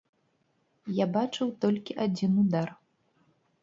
Я бачыў толькі адзін удар.